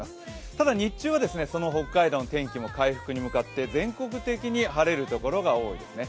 ただ日中は、その北海道の天気も回復に向かって全国的に晴れるところが多いですね